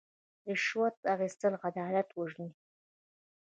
رشوت اخیستل عدالت وژني.